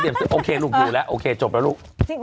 โอเคลูกอยู่แล้วโอเคจบแล้วลูก